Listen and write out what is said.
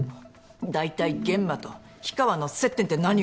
大体諫間と氷川の接点って何よ？